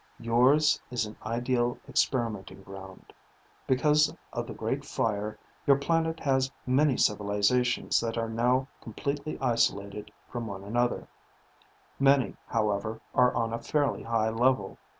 "Yours is an ideal experimenting ground. Because of the Great Fire, your planet has many civilizations that are now completely isolated from one another; many, however, are on a fairly high level.